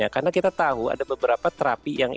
karena kita tahu ada beberapa terapi yang itu